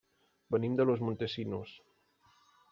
Venim de Los Montesinos.